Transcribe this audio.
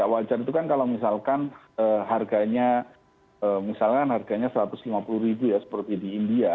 wajar itu kan kalau misalkan harganya misalkan harganya satu ratus lima puluh ya seperti di india